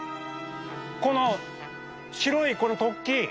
この白いこの突起！